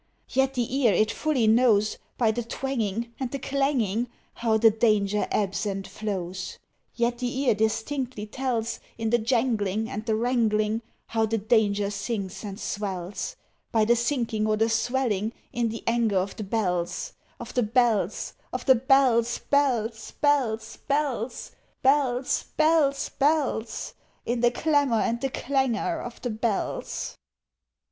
Yet the ear it fully knows, By the twanging, And the clanging, How the danger ebbs and flows: Yet the ear distinctly tells, In the jangling, And the wrangling, How the danger sinks and swells, By the sinking or the swelling in the anger of the bells Of the bells Of the bells, bells, bells, bells, Bells, bells, bells In the clamour and the clangour of the bells!